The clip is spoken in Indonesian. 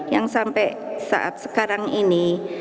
yang sampai saat sekarang ini